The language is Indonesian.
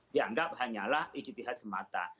dianggap hanyalah ijtihad semata